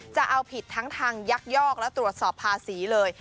จะเอาผิดทั้งทางยักยอกและตรวจสอบภาษีเลย